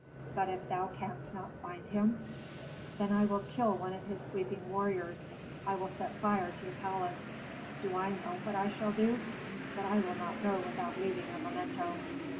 "But if thou canst not find him?" "Then I will kill one of his sleeping warriors. I will set fire to the palace. Do I know what I shall do? But I will not go without leaving a memento."